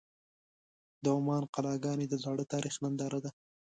د عمان قلعهګانې د زاړه تاریخ ننداره ده.